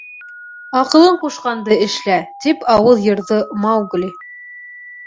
— Аҡылың ҡушҡанды эшлә, — тип ауыҙ йырҙы Маугли.